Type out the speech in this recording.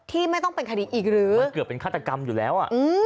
ไม่ต้องเป็นคดีอีกหรือมันเกือบเป็นฆาตกรรมอยู่แล้วอ่ะ